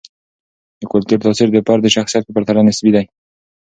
د کلتور تاثیر د فرد د شخصیت په پرتله نسبي دی.